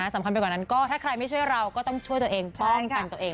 สำคัญไปกว่านั้นก็ถ้าใครไม่ช่วยเราก็ต้องช่วยตัวเองป้องกันตัวเอง